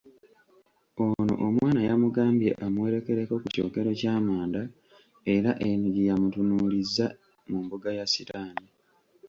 Ono, omwana yamugambye amuwerekereko ku kyokero ky'amanda era eno gyeyamutunuulizza mu mbuga ya sitaani.